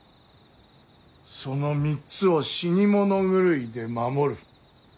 その３つを死に物狂いで守る。